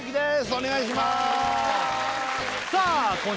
お願いします